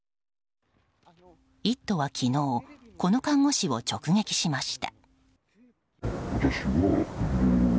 「イット！」は昨日この看護師を直撃しました。